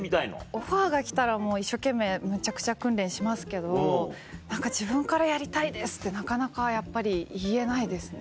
オファーが来たらもう一生懸命むちゃくちゃ訓練しますけど何か自分からやりたいですってなかなかやっぱり言えないですね